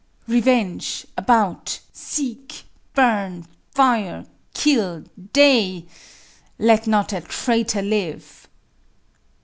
_ Revenge; about seek burn fire kill day! Let not a traitor live!